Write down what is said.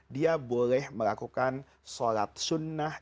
dia boleh melakukan sholat sunnah